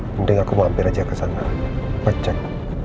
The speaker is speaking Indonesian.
mending aku mampir aja kesana pecek